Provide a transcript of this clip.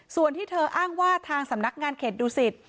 ส่วนที่เธออ้างว่าทางสำนักงานเขตดูสิต